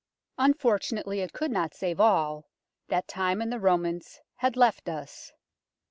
Unfortunately it could not save all that time and the Romans had left us.